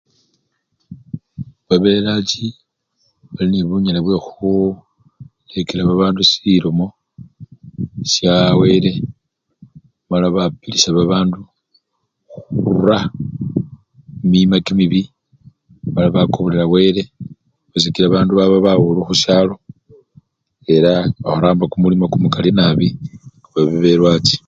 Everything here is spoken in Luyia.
babelwachi bali nebunyala bwehuulekela babandu silomo syaa wele mala bapilisha babandu huurura humima kimibii mala bakobolela wele nisyo sikila babandu baba bawolu nabi ellaa baramba kumulimo kumukali nabi, babelwachi